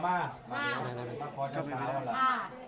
มันเต็มแล้วจริงจริงแล้วไม่ต้องขอไปด้วยเลย